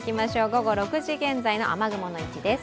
午後６時現在の雨雲の様子です。